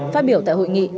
phát biểu tại hội nghị